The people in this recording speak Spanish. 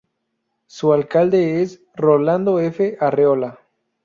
Su alcalde es Rolando F. Arreola.